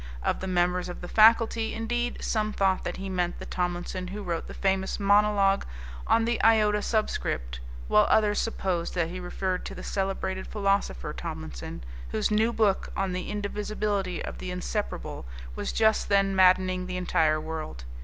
Of the members of the faculty, indeed, some thought that he meant the Tomlinson who wrote the famous monologue on the Iota Subscript, while others supposed that he referred to the celebrated philosopher Tomlinson, whose new book on the Indivisibility of the Inseparable was just then maddening the entire world.